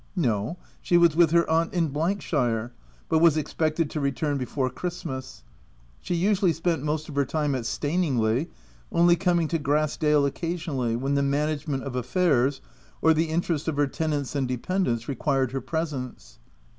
No, she was with her aunt in shire, but was expected to return before Christmas. She usually spent most of her time at Staningley, only coming to Grass dale occasionally, when the management of affairs, or the interest of her tenants and dependants required her presence.